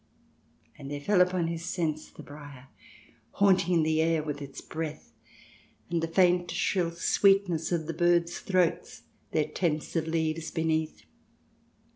•«« o •" And there fell upon his sense the briar, Haunting the air with its breath, And the faint shrill sweetness of the birds' throats, Their tent of leaves beneath.